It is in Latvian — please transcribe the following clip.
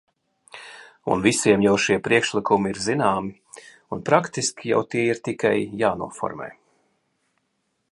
Un visiem jau šie priekšlikumi ir zināmi, un praktiski jau tie ir tikai jānoformē.